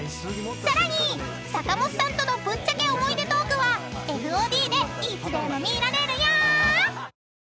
［さらに坂もっさんとのぶっちゃけ思い出トークはＦＯＤでいつでも見られるよ］